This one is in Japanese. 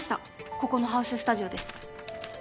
ここのハウススタジオです。